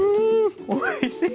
おいしい。